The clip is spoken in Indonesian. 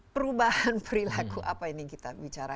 perubahan perilaku apa ini kita bicara